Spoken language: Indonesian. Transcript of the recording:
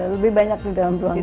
lebih banyak di dalam ruangan